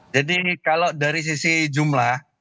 jadi kalau dari sisi jumlah